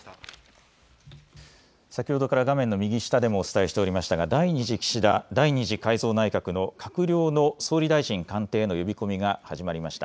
先ほどから画面の右下でもお伝えしておりましたが第２次岸田第２次改造内閣の閣僚の総理大臣官邸への呼び込みが始まりました。